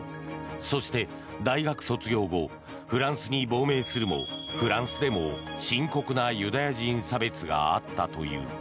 そして、大学卒業後フランスに亡命するもフランスでも深刻なユダヤ人差別があったという。